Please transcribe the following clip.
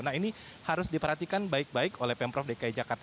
nah ini harus diperhatikan baik baik oleh pemprov dki jakarta